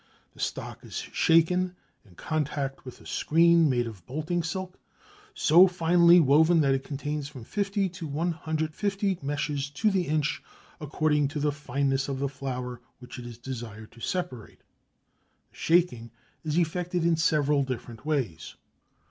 The stock is shaken in contact with a screen made of bolting silk so finely woven that it contains from 50 to 150 meshes to the inch, according to the fineness of the flour which it is desired to separate. The shaking is effected in several different ways.